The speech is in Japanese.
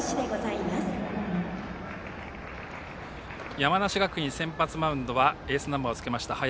山梨学院、先発マウンドはエースナンバーをつけました林。